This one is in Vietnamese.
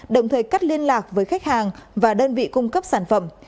đồng thời cắt liên lạc với khách hàng và đơn vị cung cấp sản phẩm